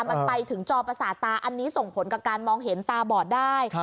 มันไปถึงจอประสาทตาอันนี้ส่งผลกับการมองเห็นตาบอดได้